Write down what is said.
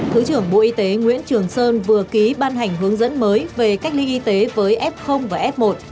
thứ trưởng bộ y tế nguyễn trường sơn vừa ký ban hành hướng dẫn mới về cách ly y tế với f và f một